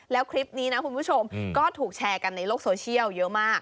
แล้วคลิปนี้นะคุณผู้ชมก็ถูกแชร์กันในโลกโซเชียลเยอะมาก